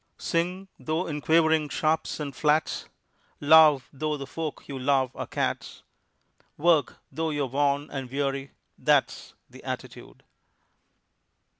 Sing though in quavering sharps and flats, Love though the folk you love are cats, Work though you're worn and weary that's The attitude.